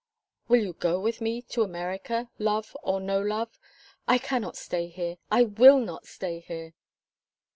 "Will you go with me to America love or no love? I cannot stay here I will not stay here."